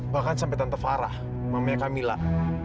bahkan sampai tante farah mamanya kamilah